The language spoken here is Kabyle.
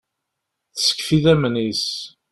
Teskef idammen-is.